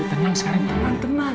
immer tenang sawing tenang tenang